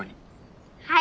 はい。